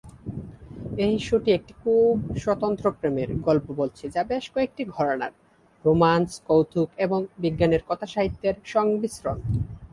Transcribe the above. এই শোটি একটি খুব স্বতন্ত্র প্রেমের গল্প বলছে যা বেশ কয়েকটি ঘরানা, রোম্যান্স, কৌতুক এবং বিজ্ঞানের কথাসাহিত্যের সংমিশ্রণ।